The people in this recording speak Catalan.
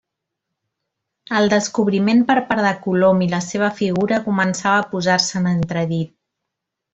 El descobriment per part de Colom i la seva figura començava a posar-se en entredit.